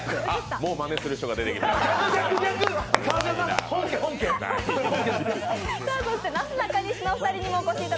もうまねする人が出てきました。